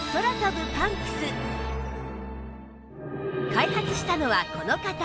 開発したのはこの方